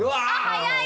早い！